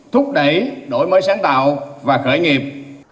thúc đẩy đổi mới sáng tạo và khởi nghiệp